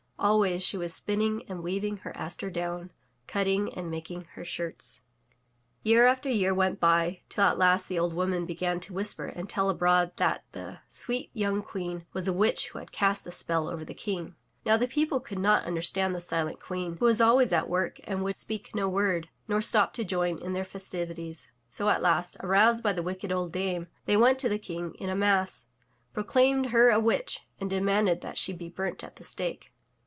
Always she was spinning and weaving her aster down, cutting and making her shirts. Year after year went by, till at last the old woman began to whisper and tell abroad that the sweet young queen was a witch who had cast a spell over the King. Now the people could not understand the silent Queen who was always at work and would speak no word, nor stop to join in their festivities, so at last, aroused by the wicked old dame, they went to the King in a mass, proclaimed her a witch and demanded that she be burnt at the stake.